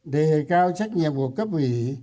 để cao trách nhiệm của cấp ủy